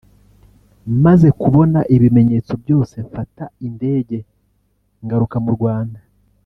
maze kubona ibimenyetso byose mfata indege ngaruka mu Rwanda